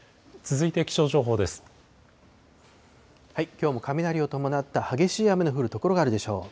きょうも雷を伴った激しい雨の降る所があるでしょう。